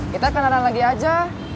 kita kenalan lagi aja